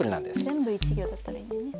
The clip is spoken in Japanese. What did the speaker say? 全部１行だったらいいのにね。